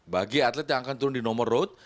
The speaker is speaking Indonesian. bagi atlet yang akan turun di nomor road